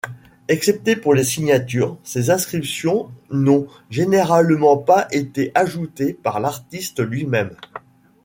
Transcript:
Excepté pour les signatures, ces inscriptions n'ont généralement pas été ajoutées par l'artiste lui-même.